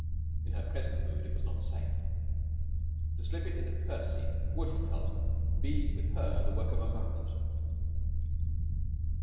In her present mood it was not safe. To slip it into Percy would, he felt, be with her the work of a moment.